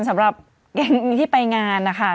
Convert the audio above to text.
สำหรับแก๊งนี้ที่ไปงานนะคะ